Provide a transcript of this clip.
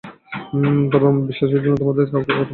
তবে আমার বিশ্বাসের জন্য তোমাদের কাউকে আঘাত পাওয়াতে চাই না।